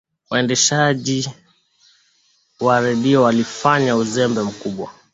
waendeshaji wa redio walifanya uzembe mkubwa